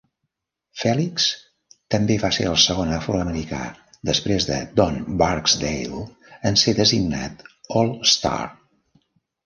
Felix també va ser el segon afroamericà, després de Don Barksdale, en ser designat All-Star.